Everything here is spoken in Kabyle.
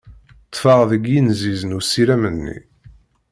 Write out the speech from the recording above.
Ṭṭfeɣ deg yinziz n usirem-nni.